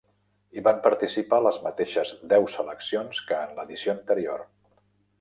Hi van participar les mateixes deu seleccions que en l'edició anterior.